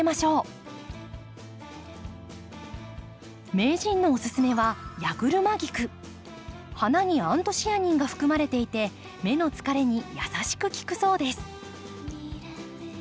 名人のおすすめは花にアントシアニンが含まれていて目の疲れに優しく効くそうです。